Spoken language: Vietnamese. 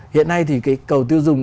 hiện nay thì cái cầu tiêu dùng